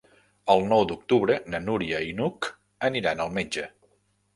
El nou d'octubre na Núria i n'Hug aniran al metge.